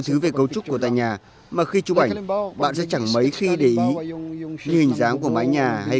xứ về cấu trúc của tại nhà mà khi chụp ảnh bạn sẽ chẳng mấy khi để ý như hình dáng của mái nhà hay